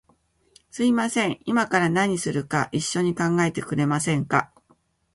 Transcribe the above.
すみません、いまから何するか一緒に考えてくれませんか？